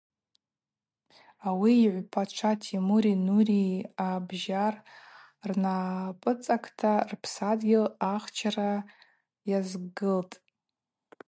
Ауи йыгӏвпачва Тимури Нурии абджьар рнапӏыцӏакӏта рпсадгьыл ахчара йазгылтӏ.